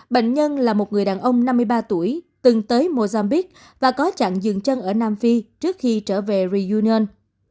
bệnh nhân là một người đàn ông năm mươi ba tuổi từng tới mozambique và có chặn dừng chân ở nam phi trước khi trở về reunion